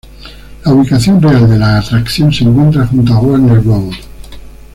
La ubicación real de la atracción se encuentra junto a Warner Road.